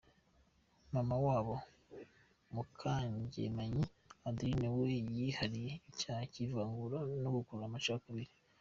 Mama wabo Mukangemanyi Adeline we yihariye icyaha cy’ivangura no gukurura amacakubiri.”